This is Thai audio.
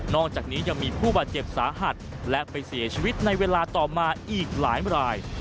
อกจากนี้ยังมีผู้บาดเจ็บสาหัสและไปเสียชีวิตในเวลาต่อมาอีกหลายราย